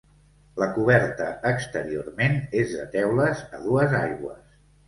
La coberta exteriorment és de teules a dues aigües.